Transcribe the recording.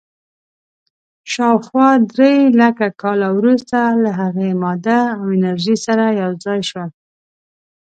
شاوخوا درېلکه کاله وروسته له هغې، ماده او انرژي سره یو ځای شول.